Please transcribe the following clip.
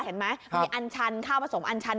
เห็นไหมมีอันชันข้าวผสมอันชัน